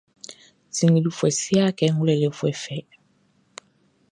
Siglifoué siâkê nʼglwêlêfoué fɛ.